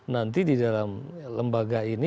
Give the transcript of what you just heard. nanti di dalam lembaga ini